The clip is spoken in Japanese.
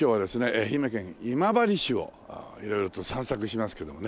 愛媛県今治市を色々と散策しますけどもね。